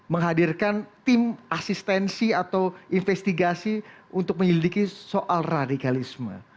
menghadirkan tim asistensi atau investigasi untuk menyelidiki soal radikalisme